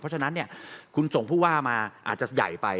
เพราะฉะนั้นคุณส่งผู้ว่ามาอาจจะใหญ่ไป